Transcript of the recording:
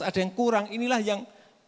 ada yang kurang inilah yang